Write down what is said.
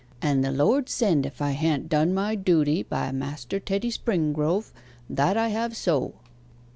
'And the Lord send if I ha'n't done my duty by Master Teddy Springrove that I have so.